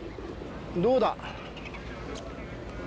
どうだ？